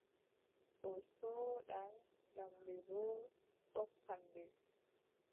O soodan, lamɓe boo ndonkan ɓe.